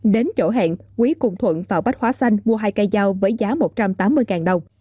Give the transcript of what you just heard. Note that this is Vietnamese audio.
đến chỗ hẹn quý cùng thuận vào bách hóa xanh mua hai cây dao với giá một trăm tám mươi đồng